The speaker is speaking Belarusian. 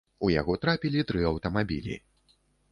У яго трапілі тры аўтамабілі.